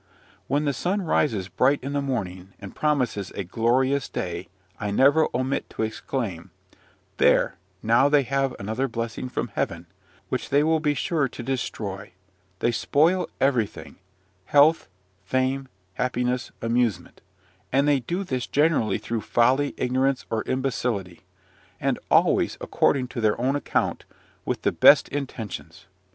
When the sun rises bright in the morning, and promises a glorious day, I never omit to exclaim, "There, now, they have another blessing from Heaven, which they will be sure to destroy: they spoil everything, health, fame, happiness, amusement; and they do this generally through folly, ignorance, or imbecility, and always, according to their own account, with the best intentions!"